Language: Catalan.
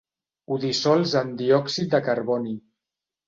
Ho dissols en diòxid de carboni.